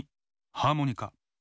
ハーモニカ。